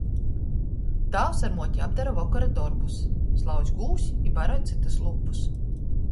Tāvs ar muoti apdora vokora dorbus – slauc gūvs i baroj cytus lūpus.